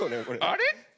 あれ？